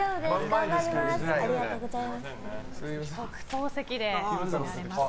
頑張ります。